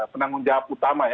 penanggung jawab utama